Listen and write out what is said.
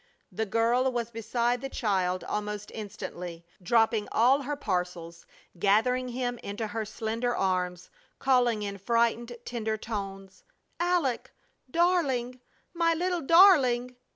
The girl was beside the child almost instantly, dropping all her parcels; gathering him into her slender arms, calling in frightened, tender tones: "Aleck! Darling! My little darling!"